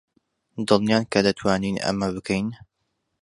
دڵنیان کە دەتوانین ئەمە بکەین؟